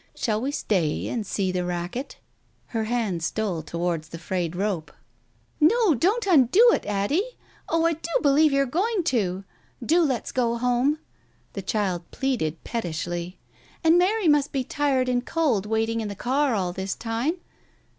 Shall we stay and see the racket ?" Her hand stole towards the frayed rope. ... "No, don't undo it, Addie. Oh, I do believe you're going to ! Do let's go home," the child pleaded pet tishly. "And Mary must be tired and cold, waiting in the car all this time."